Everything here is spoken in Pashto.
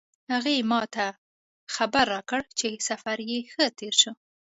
هغې ما ته خبر راکړ چې سفر یې ښه تیر شو